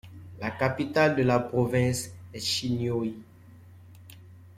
La capitale de la province est Chinhoyi.